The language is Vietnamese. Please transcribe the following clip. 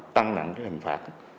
tăng nặng hình phạt